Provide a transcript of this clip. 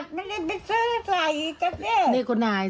อยู่เป็นเสื้อใสซะเท่